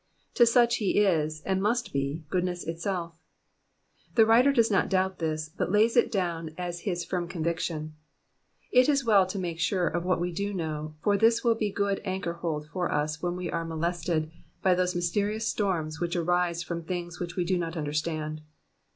To such he is, and must be, goodness itself. The writer does not doubt this, but lays it down as his firm conviction It is well to make sure of what we do know, for this will be good anchor hold for us when we are molested by those mysterious storms which arise from things which we do not understand.